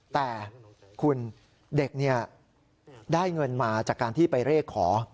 แต่คุณเด็กได้เงินมาจากการที่ไปเรียกขอ